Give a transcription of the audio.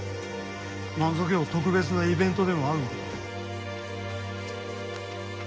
なんぞ今日特別なイベントでもあるんか？